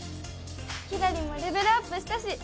キラリもレベルアップしたし！